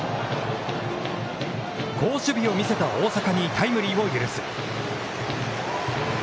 好守備を見せた大坂にタイムリーを許す。